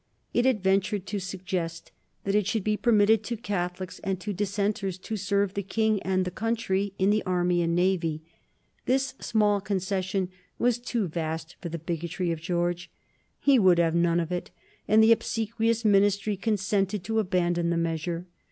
It had ventured to suggest that it should be permitted to Catholics and to Dissenters to serve the King and the country in the Army and Navy. This small concession was too vast for the bigotry of George. He would have none of it, and the obsequious Ministry consented to abandon the measure.